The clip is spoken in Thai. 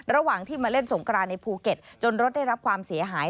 ระหว่างที่มาเล่นสงกรานในภูเก็ตจนรถได้รับความเสียหาย